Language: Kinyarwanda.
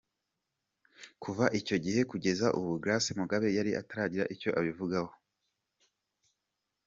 Kuva icyo gihe kugeza ubu Grace Mugabe yari ataragira icyo abivugaho.